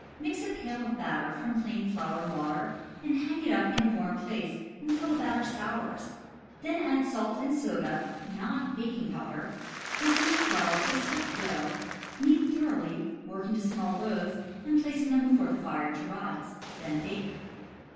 Mix a pail of batter from plain flour and water, and hang it up in a warm place until the batter sours. Then add salt and soda (not baking powder), thicken with flour to a stiff dough, knead thoroughly, work into small loaves, and place them before the fire to rise. Then bake.